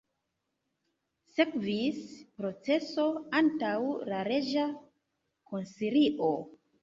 Sekvis proceso antaŭ la reĝa konsilio.